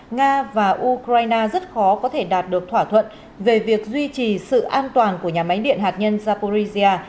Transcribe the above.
nga và ukraine rất khó có thể đạt được thỏa thuận về việc duy trì sự an toàn của nhà máy điện hạt nhân zaporizia